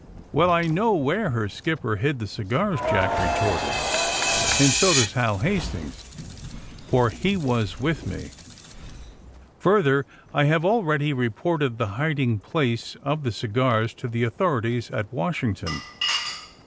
"Well, I know where her skipper hid the ci gars," Jack retorted, "and so does Hal Hast ings, for he was with me. Further, I have at AND THE SMUGGLEES 223 ready reported the hiding place of the cigars to the authorities at Washington.'